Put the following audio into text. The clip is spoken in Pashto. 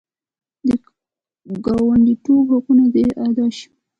د ګاونډیتوب حقونه دې ادا شي.